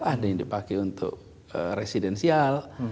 ada yang dipakai untuk residensial